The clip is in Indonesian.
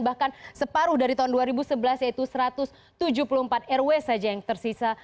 bahkan separuh dari tahun dua ribu sebelas yaitu satu ratus tujuh puluh empat rw saja yang tersisa